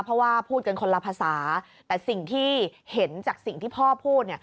เพราะว่าพูดกันคนละภาษาแต่สิ่งที่เห็นจากสิ่งที่พ่อพูด